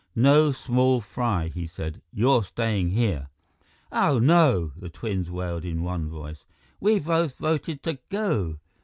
"No, small fry!" he said. "You're staying here!" "Oh, no!" the twins wailed in one voice. "We both voted to go!"